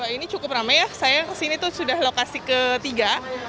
ini cukup ramai ya saya kesini tuh sudah lokasi ketiga